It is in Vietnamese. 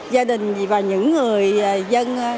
gia đình và những người dân